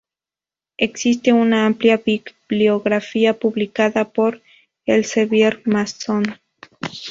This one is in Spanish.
Existe una amplia bibliografía publicada por Elsevier-Masson.